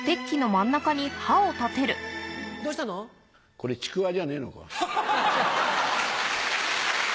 これちくわじゃねえのか。